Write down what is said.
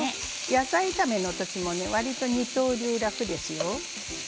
野菜炒めの時もわりと二刀流、楽ですよ。